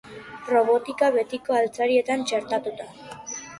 Robotika betiko altzarietan txertatuta.